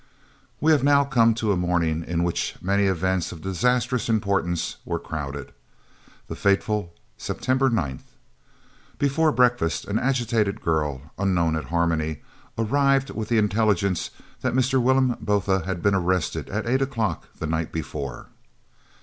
We have now come to a morning into which many events of disastrous importance were crowded, the fateful September 9th. Before breakfast, an agitated girl, unknown at Harmony, arrived with the intelligence that Mr. Willem Botha had been arrested at 8 o'clock the night before.